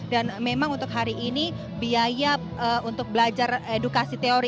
dan memang untuk hari ini biaya untuk belajar edukasi teori